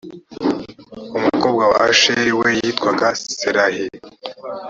umukobwa wa asheri we yitwaga serahi.